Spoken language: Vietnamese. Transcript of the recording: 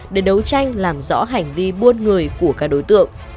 để đấu tranh làm rõ hành vi buôn người của các đối tượng